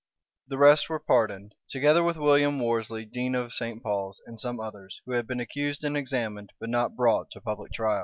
The rest were pardoned, together with William Worseley, dean of St. Paul's, and some others, who had been accused and examined, but not brought to public trial.